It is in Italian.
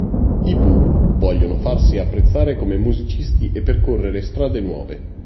I Pooh vogliono farsi apprezzare come musicisti e percorrere strade nuove.